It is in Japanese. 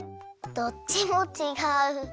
どっちもちがう！